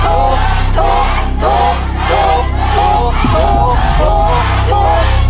ถูกถูกถูกถูกถูกถูกถูก